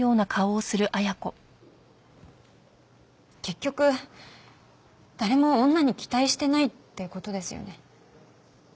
結局誰も女に期待してないって事ですよね。